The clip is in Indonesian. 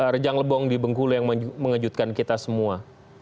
rejang lebong di bengkulu yang mengejutkan kita semua